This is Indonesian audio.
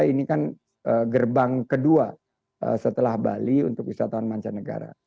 ini kan gerbang kedua setelah bali untuk wisatawan mancanegara